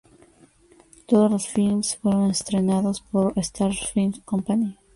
Todos los filmes fueron estrenados por Star Film Company.